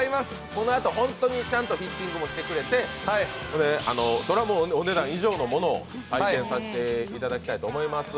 このあと、ちゃんとフィッティングもしてくれてそれはお値段以上のものを体験していただきたいと思います。